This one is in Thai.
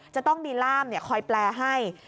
จะต้องมีล่ามคอยแปลให้